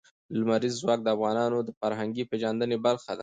لمریز ځواک د افغانانو د فرهنګي پیژندنې برخه ده.